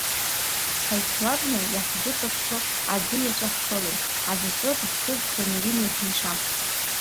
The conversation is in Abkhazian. Ҳаицлабны, иаҳгәыҵаҽҽо, аӡы иаҵәа ҳхылон, аӡаҿы дыԥсыӡхон Ирина есымша.